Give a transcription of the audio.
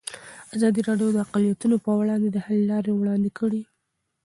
ازادي راډیو د اقلیتونه پر وړاندې د حل لارې وړاندې کړي.